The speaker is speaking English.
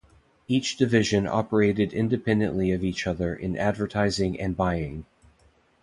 Each division operated independently of each other in advertising and buying.